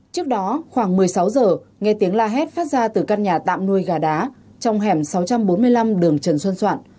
trước đó khoảng một mươi sáu giờ nghe tiếng la hét phát ra từ căn nhà tạm nuôi gà đá trong hẻm sáu trăm bốn mươi năm đường trần xuân soạn